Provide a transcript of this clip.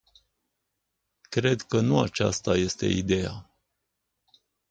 Cred că nu aceasta este ideea.